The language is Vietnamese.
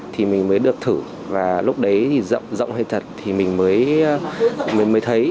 thì mình mới được thử và lúc đấy thì rộng hay thật thì mình mới thấy